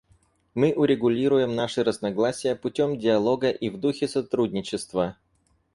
Мы урегулируем наши разногласия путем диалога и в духе сотрудничества.